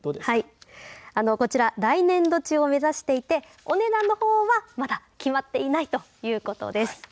こちら来年度中を目指していてお値段のほうはまだ決まっていないということです。